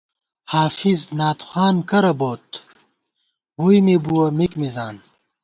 حافظ نعت خوان کرہ بوت ، ووئی می بُوَہ مِک مِزان